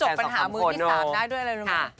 เช่นว่าจบปัญหามือที่สามได้ด้วยอะไรรู้มั้ย